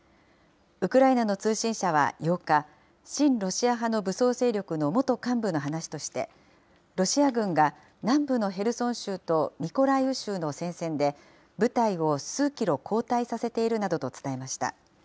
ウクライナの通信社は８日、親ロシア派の武装勢力の元幹部の話として、ロシア軍が南部のヘルソン州とミコライウ州の戦線で、部隊を数キロ後退させているなどと伝えました。